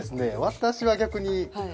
私は逆に。